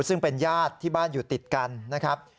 ซึ่งเป็นญาติที่บ้านอยู่ติดกันนะครับ